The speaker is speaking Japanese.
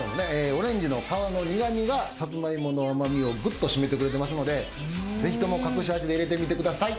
オレンジの皮の苦みがサツマイモの甘みをぐっと締めてくれてますので是非とも隠し味で入れてみてください。